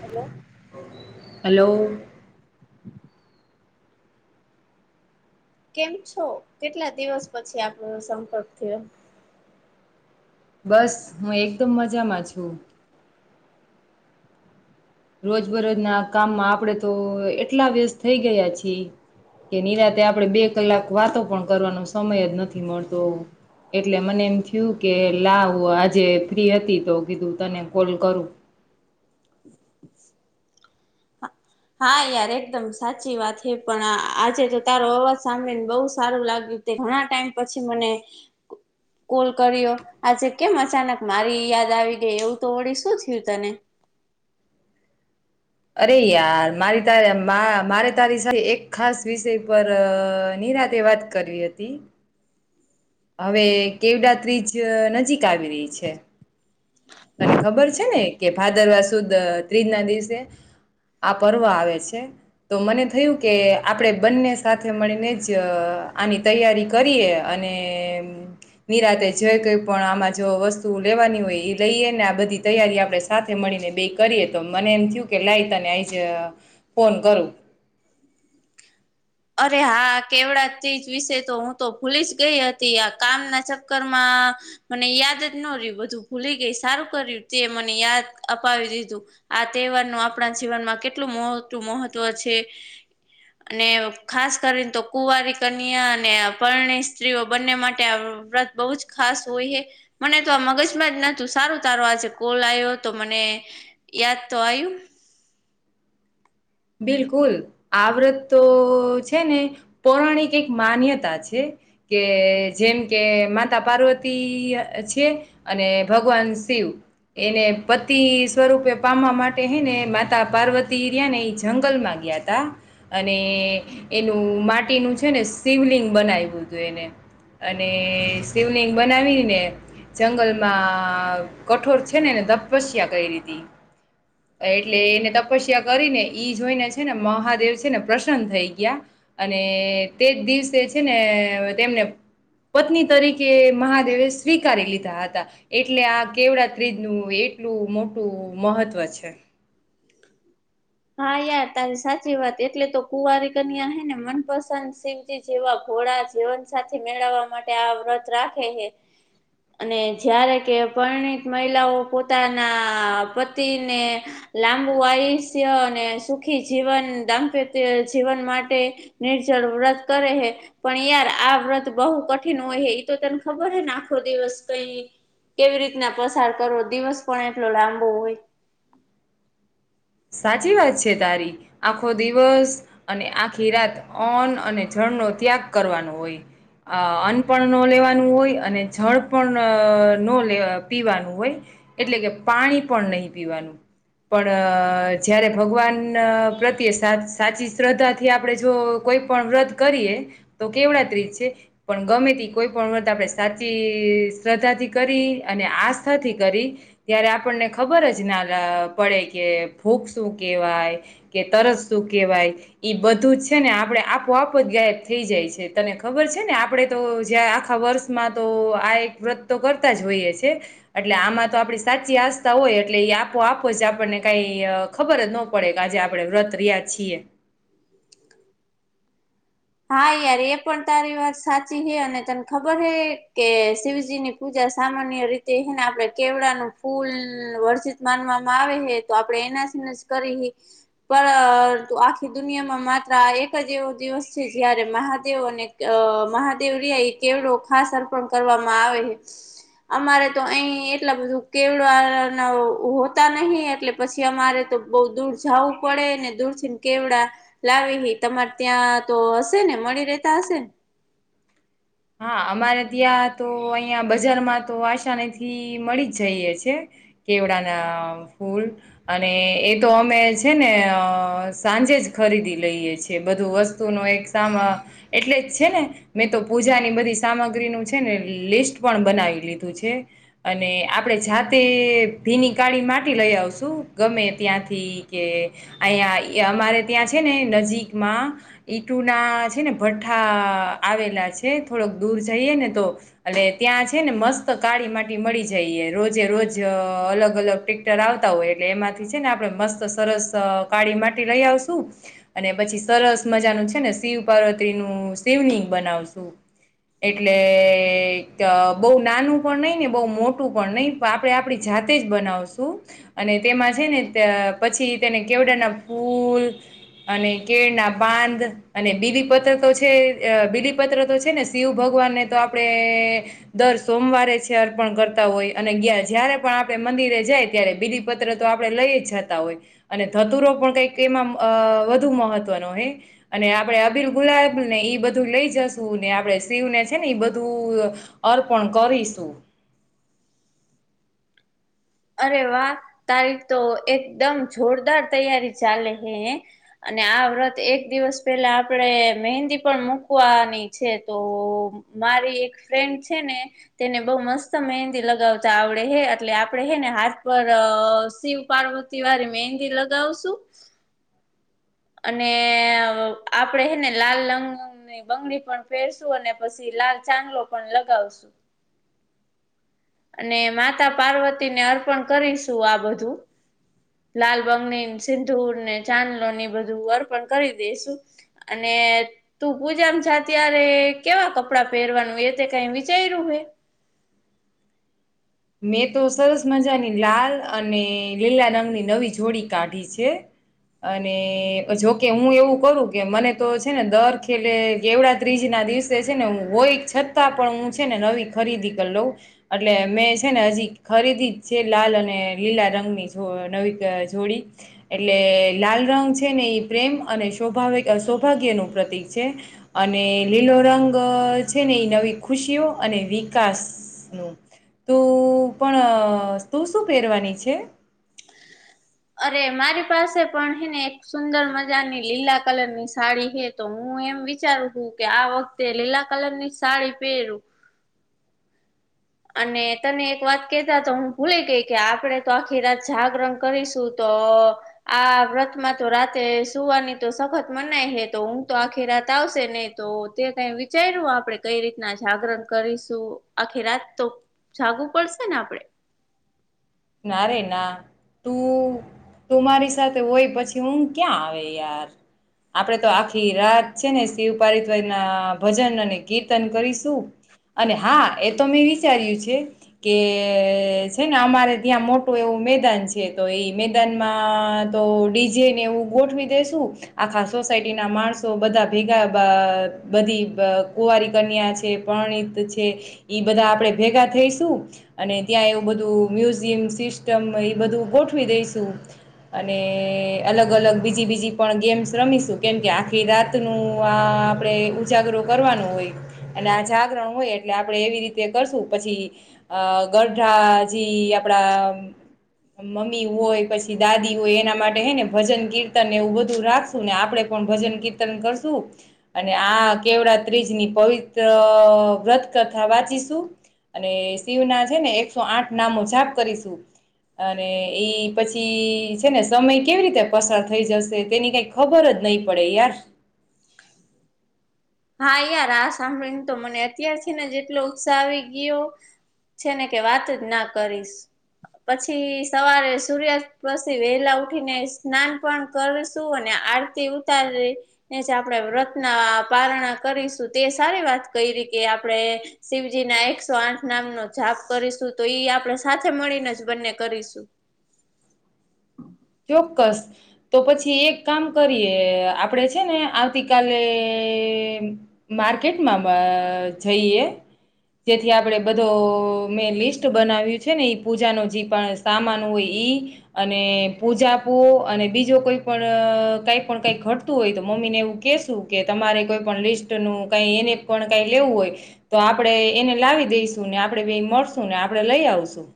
Hello hello કેમ છો કેટલા દિવસ પછી આપણો સંપર્ક થયો બસ હું એકદમ મજામાં છું રોજબરોજ ના કામમાં આપડે તો એટલા વ્યસ્ત થઈ ગયા છીએ કે નિરાતે આપણે બે કલાક વાતો પણ કરવાનો સમય જ નથી મળતો એટલે મને એમ થયું કે લાવ આજે ફ્રી હતી તો કીધું તને કોલ કરું [inaudible] હા યાર એકદમ સાચી વાત એ પણ આજે તો તારો અવાજ સાંભળી ને બોહ સારું લાગ્યું તે ગણા ટાઈમ પછી મને. કોલ કર્યો આજે કેમ અચાનક મારી યાદ આવી ગઈ એવું તો વળી શું થયું તને. અરે યાર મારી તારી મારે તારી એક ખાસ વિષય પર. નિરાતે વાત કરવી હતી. હવે કેવડા ત્રીજ નજીક આવી રહી છે. તને ખબર છે ને કે ભાદરવા સુદ ત્રીજ ના દિવસે. આ પર્વ આવે છે તો મને થયું કે આપણેે બંને સાથે મળીને જ. આની તૈયારી કરીએ અને. નિરાતે જય કઈ પણ આમાં જો વસ્તુ લેવાની હોય. લઈએ ને આ બધી તૈયારી આપડણે સાથે મળીને બે કરીએ તો મને એમ થયું કે લાય તને આજ. ફોન કરુ. અરે હા કેવડા ત્રીજ વિશે તો હું તો ભૂલી જ ગઈ હતી આ કામના ચક્કરમાં. મને યાદ જ ન રહુ બધું ભૂલી ગઈ સારું કર્યું તે મને યાદ અપાવી દીધું. આ તહેવાર નું આપણા જીવનમાં કેટલું મોટું મહત્વ છે અને. ખાસ કરીને તો કુવારી કન્યા અને પરણી સ્ત્રીઓ બંને માટે આ વ્રત બહુંજ ખાસ. હોય મને તો આ મગજમાં જું સારું તારું કોલ આવ્યો તો મને. યાદતો આવ્યું. [inaudible] બિલકુલ આવૃત તો છે ને પૌરાણિક એક માન્યતા છે. કે જેમ કે માતા પાર્વતી છે અને ભગવાન શિવ. એને પતિ સ્વરૂપે પામવા માટે હે ને માતા પાર્વતીરિયા ને ઈછ. જંગલમાં ગયા ત અને એનું માટીનું છે ને શિવલિંગ બનાવ્યું. એને અને શિવલિંગ બનાવીને. જંગલમાં કઠોર છે ને એને તપસ્યા કરી લીધી. એટલે એને તપસ્યા કરીને ઈ જોઈને છે ને મહાદેવ છે ને પ્રસન્ન થઈ ગયા અને તેજ દિવસે છે ને. તેમને. પત્ની તરીકે મહાદેવે સ્વીકારી લીધા હતા એટલે આ કેવડા ત્રીજ નું. એટલું મોટું મહત્ત્વ છે. હા યાર તારી સાચી વાત એટલે તો કુવારી કન્યા હે ને મનપસંદ શિવજી જેવા. થોડા જીવનસાથી મેળવવા માટે આ વ્રત રાખે છે. અને જારે કે પરણિત મહિલાઓ પોતાના પતિને લાંબ વાઇસ. અને સુખી જીવન દાંપત્ય જીવન માટે નિર્જળ વ્રત કરે. પણ યાર આ વ્રત બહુ કઠિન હોય હ તો તને ખબર હ ને આખો દિવસ કઈ. કેવી રીતના પસાર કરવો દિવસ પણ એટલો લાંબો હોય. [unintelligible] સાચી વાત છે તારી આખો દિવસ અને આખી રાત ઓન અને જ. નો ત્યાગ કરવાનું હોય. અ અન્ન પણ ન લેવાનું હોય અને જળ પણ ને પીવાનું હોય. એટલે કે પાણી પણ નહીં પીવાનું પણ. જય્યારે ભગવાન પ્રત્યે સાચી શ્રદ્ધાથી આપણે જો કોઈ પણ વ્રત કરી. તો કેવ તજ છે પણ ગમે તે કોઈ પણ વાત આપણે સાચી શ્રદ્ધાથી કરી. અને આસ્થાથી કરી ત્યારે આપણને ખબર જ ના પડે કે. ભૂખ શું કેહેવાય કે તરત શું કેહેવાય ઈ બધું છે ને આપડે આપોઆપ જ ગાય. થ જાય છે તને ખબર છે ને આપણેે તો જ આખા વર્ષમાં તો આ એક વ્રત તો કરતા. જ હોઈએ છે એટલે આમાં તો આપણી સાચી આસ્થા હોય એટલે એ આપો આપો જ આપણને કઈ. ખબર જ ન પડે કે આજે આપડણે વ્રત રહ્યા છીએ. હા યાર એ પણ તારી વાત સાચી હૈ અને તને ખબર હૈ કે શિવજીની પૂજા. સામાન્ય રીતે એને આપણે કેવડાનું ફૂલ વર્જિત માનવામાં આવે છે તો આપણે એના. સ એમ સ કરી પર આખી દુનિયામાં માત્ર એક જ એવો દિવસ છે જયારે મહાદેવ અને મહાદેવ રિયા એ કેવડો ખાસ અર્પણ કરવામાં આવે અમારે તો અહી એટલા બધું કેવડવા ના હોતા નહિ એટલે પછી તમારે તો બોહ દૂર જાવું પડે ને દૂર થીને કેવડા લાવેહી તમારે ત્યાં તો હશે ને મળી રેતા હશેને. હા અમારે ત્યાં તો અહિયાં બજારમાં તો આસાનીથી મળી જ જઈએ છે કેવડા ના ફૂલ અને એ તો અમે છે ને અ સાંજે ખરીદી લઈએ છેી બધું વસ્તુ ન એક સામા એટલે જ છે ને મેં તો પૂજાની બધી સામગ્રીનું છે ને લિસ્ટ પણ બનાવી લીધું છે અને આપણે જાત કે ભીની કાળી માટી લઈ આવશું ગમે ત્યાંથી કે અહીયા અમારે ત્યાં છે ને નજીકમાં ઈટુ ના છે ને ભઠઠા આવેલા છે એ થોડક દૂર જઈએ ને તો એ ત્યાં છે ને મસ્ત કાળી માટી મળી જઈએ રોજે રોજ. અલગ અલગ ટેક્ટર આવતા હોય એટલે એમાંથી છે ને આપણે મસ્ત સરસ કાળી માટી લઈ શું અને પછી સરસ મજા નું છે ને શિવ પાર્વત્રી નું શિવનિંગ બનાવશું [inaudible] એટલે બો નાનું પણ નહી ને બો મોટું પણ નહીપણ આપે આપડી જાતે બનાવશું અને તેમાં છે ને પછી તેને કેવડાના ફૂલ અને કેળના બાંધ અને બીલી પત્ર તો છે બીલી પત્ર તો છે ને શિવ ભગવાનને તો આપણે દર સોમવારે છે અર્પણ કરતા હોય અને ગયા જ આપ મંદિરે જાય ત્યારે બિલીપત્ર તો આપણે લઈ જ જતા હોય અને ધતુરો પણ કઈક એમાં વધુ મહત્વનો હે અને આપડે અબીલ ગુલાબને ઈ બધું લઈ જશું આપડે શિવને છે ને એ બધું અર્પણ કરીશું. અરે વાહ તારીખ તો એકદમ જોરદાર તૈયારી ચાલે હે. અને આ વ્રત એક દિવસ પહેલા આપણેે મહેંદી પણ મૂકવાની છે તો મારી એક ફ્રેન્ડ છે ને તેને બઉ મસ્ત મહેંદી લગાવતા આવડે હે એટલે આપડે હે ને હાથ પર શિવ પાર્વતી વાળી મહંદી લગાવશું [inaudible] અને આપડે હેને લાલ રંગની બંગડી પણ ફેરશું અને પછી લાલ ચાંગલો પણ લગાવશું. [inaudible] અને માતા પાર્વતીને અર્પણ કરીશું આ બધું. લાલ બંગની સિંધુરને ચાંદલો ની એ બધ અર્પણ કરી દેશું અને તું પૂજામાં જા ત્યારે કેમ કપડા પહેરવાનું એ તે કઈ વિચાર્યું હોય [inaudible] મેં તો સરસ મજાની લાલ અને લીલા રંગની નવી જોડી કાઢી છે. અને જોકે હું એવું કરું કે મને તો છે ને દર ખેલે એેવડા ત્રીજ ના દિવસે છે ને હોય છતાં પણ હું છે ને નવી ખરીદી કરી લઉં એટલે મે છે ને હજી ખરીદી જ છે લાલ અને લીલા રંગની જો નવી જોડી એટલે એ લાલ રંગ છે ને એ પ્રેમ અને સૌભાવ સૌભાગ્યનું પ્રતિક છે અને લીલો રંગ છે ને એ નવી ખુશીઓ અને વિકાસનું તું પણ તું શું પહેરવાની છે અરે મારી પાસે પણ હેને એક સુંદર મજાની લીલા કલર ની સાડી હે તો હું હ એમ વિચારું છું કે આ વખતે લીલા કલર ની સાડી પહેરું [inaudible] અને તને એક વાત કેતા તો હું ભૂલે ગઈ કે આપડે તો આખી રાત જાગરણ કરીશું તો આ વ્રતમાં તો રાતે સુવાની તો સખત મનાય હે તો હું તો આખી રાત આવશે નહી તો તે કઈ વિચાર્યું આપણે કઈ રીતના જાગરણ કરીશું આખી રાત તો જાગવુ પડશે ને આપડે નારે એના તું તું મારી સાથે હોય પછી હું ક્યાં આવે યાર આપડે તો આખી રાત છે ને શિવ પારિતવ ના ભજન અને કીર્તન કરીશું અને હા એ તો મેં વિચાર્યું છે કે છે ને અમારે ત્યાં મોટું એવું મેદાન છે તો એઈ મેદાનમાં તો ડીજે ને એવું ગોઠવી દેસું આખા સોસાયટી ના માણસો બધા ભેગા બધી કુવારી કન્યા છે પર છે બધા આપ ભેગા થઈશું અને ત્યાં એવું બધું બ ગ અ અલ બ પણ ગેમ્સ રમીશું કેમ કે આખી રાત નું આ આપણેે ઉજાગરો કરવાનું હોય ના જાગરણ હોય એટલે આપડે એવી રીતે કરશું પછી અ ગઢાજી આપણા મમ્મી હોય પછી દાદી હોય એના માટે હે ને ભજન કીર્તન એવું બધું રાખશું ને આપડે ભજન કીર્તન કરશું અને આ કેવડા ત્રીજની પવિત્ર વ્રત તથા વાંચીશું અને શિવ ના છે ને એકસો આઠ નામો જાપ કરીશું અને એઈ પછી છે ને સમય કેવી રીતે પસાર થઈ જશે તેની કઈ ખબર જ નહીં પડે યાર હા યાર આ સાંભળી ને તો મને અત્યારથી ને જેટલો ઉત્સાહ આવી ગયો છે ને કે વાત જ ના કરીશ પછી સવારે સૂર્યાસ્ પછી વેલા ઉઠી ને સ્નાન પણ કરશું અને આરતી ઉતારીને જ આપણેે વ્રતના પારણા કરીશું. તે સારી વાત કરી કે આપણે શિવજીના એકસો આઠ નામનો કરીશું તો એ આપણેે સાથે મળીને જ બન્ને કરીશું [inaudible] ચોક્કસ તો પછી એક કામ કરીએ આપણે છે ને આવતી કાલે માર્કેટમાં જઈએ જેથી આપણે બધો મેં લિસ્ટ બનાવ્યું છેને એ પૂજાનો જે પણ સામાન હોય એ અને પૂજાપો અને બીજો કોઈ પણ કંઈ પણ કંઈ ઘટતું હોય તો મમ્મીને એવું કહેશું કે તમે કોઈ પણ લિસ્ટનું કંઈ એને પણ કંઈ લેવું હોય તો આપણે એને લાવી દઈશુંને આપણે મળશું ને આપણે લઈ આવશું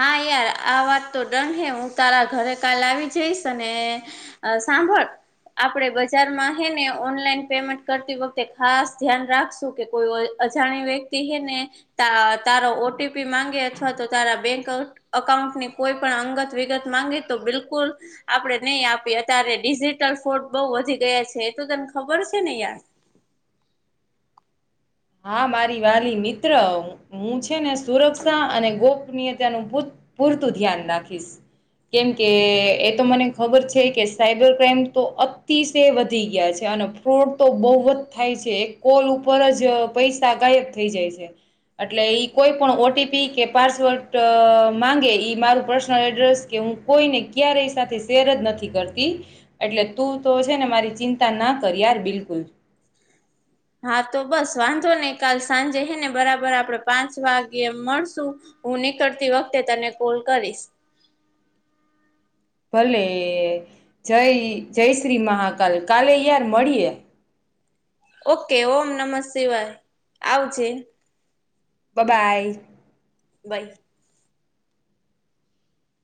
હા યાર આ વાત તો ડન હે હું તારા ઘરે કાલ આવી જઈશ અને સાંભળ આપણે બજારમાં હેને ઓનલાઈન પેમેન્ટ કરતી વખતે ખાસ ધ્યાન રાખશું કે કોઈ અજાણી વ્યક્તિ હેને તા.. તારો ઓટીપી માંગે અથવા તો તારા બેંક ઍકાઉન્ટની કોઈપણ અંગત વિગત માંગે તો બિલકુલ આપણે નહીં આપીએ અત્યારે ડિજિટલ ફ્રોડ બહુ વધી ગયા છે એ તો તને ખબર છેને યાર! [inaudible] હા મારી વાલી મિત્ર! હું છેને સુરક્ષા અને ગોપનીયતાનુ પુ.. પૂરતું ધ્યાન રાખીશ કેમ કે એતો મને ખબર છે કે સાયબરક્રાઈમ તો અતિશય વધી ગયા છે. અને ફ્રોડ તો બહુ જ થાય છે એક કોલ ઉપર જ પૈસા ગાયબ થઈ જાય છે. એટલે ઈ કોઈપણ ઓટીપી કે પાસવર્ડ માંગે ઈ મારું પર્સનલ એડ્રેસ કે કોઈને ક્યારેય સાથે શેર જ નથી કરતી એટલે તું તો છેને મારી ચિંતા ના કર કર યાર બિલકુલ હા તો બસ વાંધો નહીં. કાલ સાંજે હેને બરાબર આપણે પાંચ વાગ્યે મળશું હું નીકળતી વખતે તને કોલ કરીશ. [inaudible] ભલે.. જય.. જય શ્રી મહાકાલ. કાલે યાર મળીયે. ઓકે. ઓમ્ નમઃ શિવાય. આવજે. બબાય. બાય.